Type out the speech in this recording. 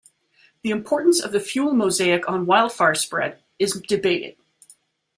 The importance of the fuel mosaic on wildfire spread is debated.